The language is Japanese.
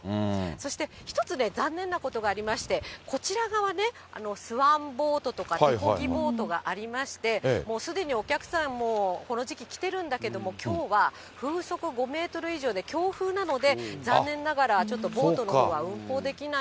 そして、１つね、残念なことがありまして、こちら側ね、スワンボートとか手こぎボートがありまして、もうすでにお客さん、この時期、来てるんだけども、きょうは風速５メートル以上で、強風なので、残念ながら、ちょっとボートのほうは運航できないと。